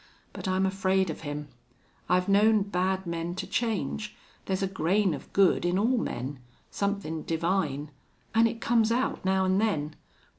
"But I'm afraid of him.... I've known bad men to change. There's a grain of good in all men somethin' divine. An' it comes out now an' then.